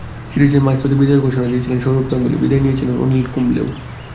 সিরিজের মাঝপথে বিদায়ের ঘোষণা দিয়েছিলেন সৌরভ গাঙ্গুলী, বিদায় নিয়েছিলেন অনিল কুম্বলেও।